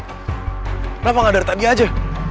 kenapa nggak dari tadi aja